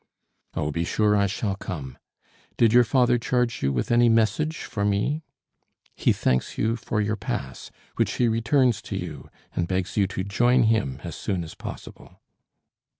"Oh, be sure I shall come. Did your father charge you with any message for me?" "He thanks you for your pass, which he returns to you, and begs you to join him as soon as possible."